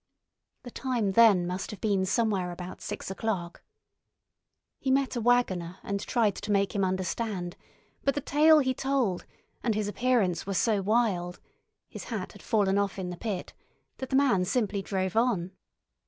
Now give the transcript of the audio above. The time then must have been somewhere about six o'clock. He met a waggoner and tried to make him understand, but the tale he told and his appearance were so wild—his hat had fallen off in the pit—that the man simply drove on.